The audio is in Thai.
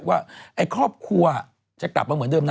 ว่าไอ้ครอบครัวจะกลับมาเหมือนเดิมนะ